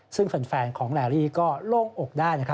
ซึ่งแฝนของแหลรี่ก็โล่งอกได้นะครับ